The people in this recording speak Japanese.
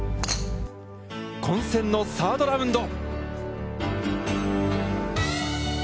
混戦のサードラウンド。